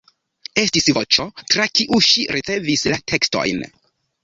Estis "Voĉo", tra kiu ŝi ricevis la tekstojn.